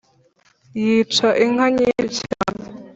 yica inka nyinshi cyane.